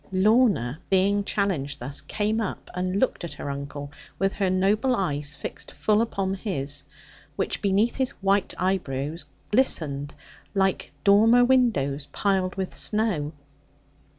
Lorna, being challenged thus, came up and looked at her uncle, with her noble eyes fixed full upon his, which beneath his white eyebrows glistened, like dormer windows piled with snow.